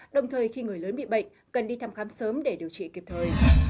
đồng thời khi người lớn bị bệnh cần đi thăm khám sớm để điều trị kịp thời